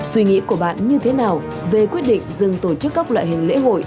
suy nghĩ của bạn như thế nào về quyết định dừng tổ chức các loại hình lễ hội